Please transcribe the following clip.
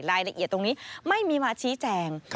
รายละเอียดตรงนี้ไม่มีมาชี้แจง